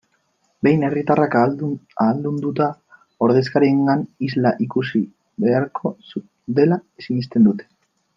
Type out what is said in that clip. Behin herritarrak ahaldunduta, ordezkariengan isla ikusi beharko dela sinesten dute.